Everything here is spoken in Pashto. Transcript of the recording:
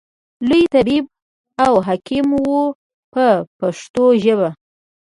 لوی طبیب او حکیم و په پښتو ژبه.